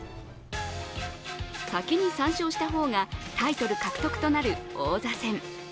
先に３勝した方がタイトル獲得となる王座戦。